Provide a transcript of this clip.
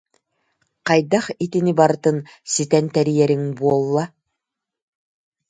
Хайдах итини барытын ситэн тэрийэриҥ буолла!